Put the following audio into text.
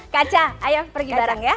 kaca ayo pergi bareng ya